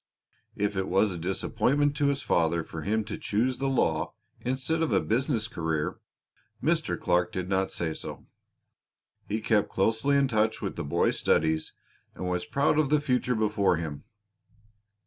If it was a disappointment to his father for him to choose the law instead of a business career Mr. Clark did not say so. He kept closely in touch with the boy's studies and was proud of the future before him.